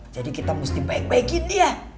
jadi kita mesti baik baikin dia